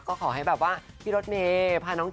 ก็ขอให้แบบว่าพี่รถเมย์